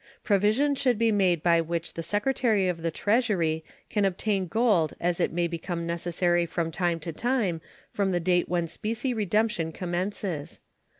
Provision should be made by which the Secretary of the Treasury can obtain gold as it may become necessary from time to time from the date when specie redemption commences.